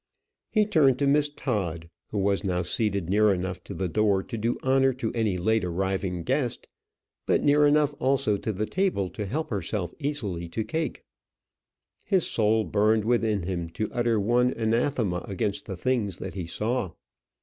He turned to Miss Todd, who was now seated near enough to the door to do honour to any late arriving guest, but near enough also to the table to help herself easily to cake. His soul burned within him to utter one anathema against the things that he saw.